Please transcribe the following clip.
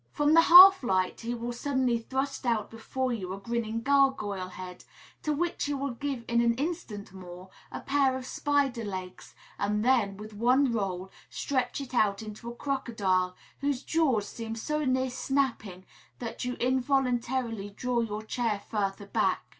From the half light he will suddenly thrust out before you a grinning gargoyle head, to which he will give in an instant more a pair of spider legs, and then, with one roll, stretch it out into a crocodile, whose jaws seem so near snapping that you involuntarily draw your chair further back.